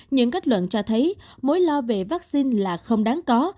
những kết luận cho thấy mối lo về vaccine là không đáng có